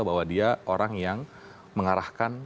bahwa dia orang yang mengarahkan